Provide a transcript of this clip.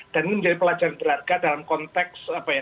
dan ini menjadi pelajaran berharga dalam konteks apa ya